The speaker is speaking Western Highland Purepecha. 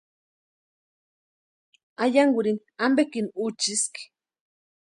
Ayankurini ampekini úchiski.